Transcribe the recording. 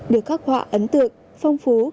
được khắc họa ấn tượng phong phú